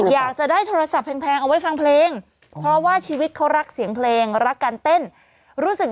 อยากจะได้โทรศัพท์แพงเอาไว้ฟังเพลงเพราะว่าชีวิตเขารักเสียงเพลงรักการเต้นรู้สึก